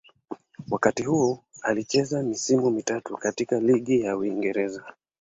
Wakati huu alicheza misimu mitatu katika Ligi Kuu ya Uingereza.